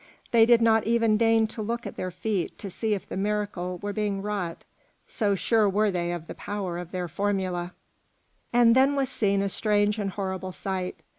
They did not even deign to look at their feet to see if the miracle were being wrought, so sure were they of the power of their formula. And then was seen a strange and horrible sight.